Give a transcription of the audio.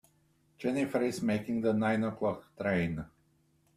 Jennifer is making the nine o'clock train.